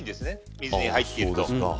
水に入っていると。